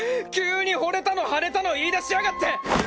急に惚れたのはれたの言い出しやがって！